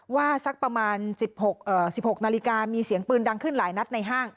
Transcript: สักประมาณ๑๖นาฬิกามีเสียงปืนดังขึ้นหลายนัดในห้าง